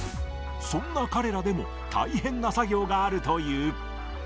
そんな彼らでも、大変な作業があるという。